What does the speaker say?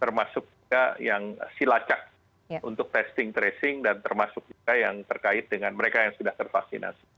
termasuk juga yang silacak untuk testing tracing dan termasuk juga yang terkait dengan mereka yang sudah tervaksinasi